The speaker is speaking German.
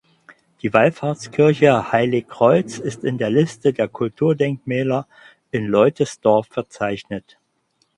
Die Wallfahrtskirche Heiligkreuz ist in der Liste der Kulturdenkmäler in Leutesdorf verzeichnet.